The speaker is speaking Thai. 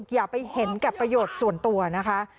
อย่าไปเห็นกับประโยชน์ส่วนตัวนะคะ